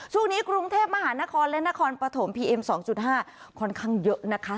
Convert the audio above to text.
ช่วงนี้กรุงเทพมหานครและนครปฐมพีเอ็ม๒๕ค่อนข้างเยอะนะคะ